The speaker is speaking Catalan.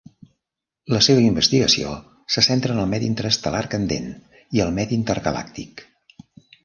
La seva investigació se centra en el medi interestel·lar candent i el medi intergalàctic.